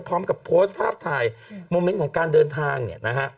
พร้อมกับโพสต์ภาพถ่ายมุมมิ้นต์ของการเดินทาง